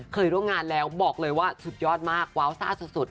เคยร่วมงานแล้วบอกเลยว่าสุดยอดมากว้าวซ่าสุด